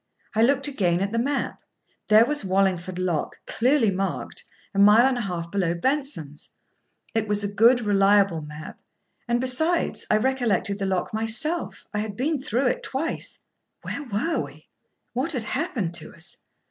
I looked again at the map. There was Wallingford lock, clearly marked, a mile and a half below Benson's. It was a good, reliable map; and, besides, I recollected the lock myself. I had been through it twice. Where were we? What had happened to us?